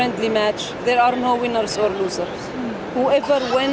tidak ada pemenang atau pencari